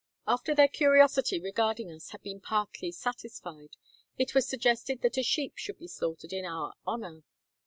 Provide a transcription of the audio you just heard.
After their curiosity regarding us had been partly satisfied, it was suggested that a sheep should be slaughtered in our honor.